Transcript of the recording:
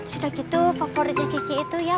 sudah gitu favoritnya gigi itu ya